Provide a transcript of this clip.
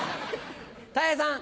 たい平さん。